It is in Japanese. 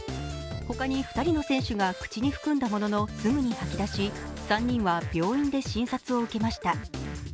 他に２人の選手が口に含んだもののすぐに吐き出し、３人は病院で診察を受けました。